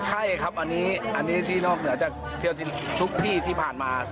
ใช่ครับอันนี้ที่นอกเหนือจากเที่ยวทุกที่ที่ผ่านมา